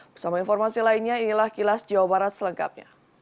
bersama informasi lainnya inilah kilas jawa barat selengkapnya